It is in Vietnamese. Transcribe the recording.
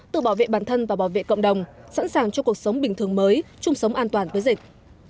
tự bảo vệ bản thân và bảo vệ cộng đồng sẵn sàng cho cuộc sống bình thường mới chung sống an toàn với dịch